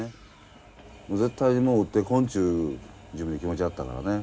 もう絶対にもう打ってこんっちゅう自分に気持ちあったからね。